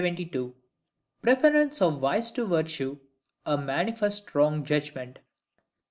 Preference of Vice to Virtue a manifest wrong Judgment.